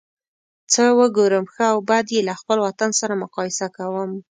څه وګورم ښه او بد یې له خپل وطن سره مقایسه کوم.